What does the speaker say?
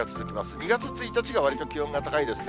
２月１日がわりと気温が高いですね。